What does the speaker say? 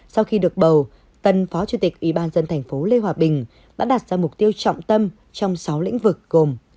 sau khi được bầu tân phó chủ tịch ủy ban nhân dân tp hcm lê hòa bình đã đặt ra mục tiêu trọng tâm trong sáu lĩnh vực gồm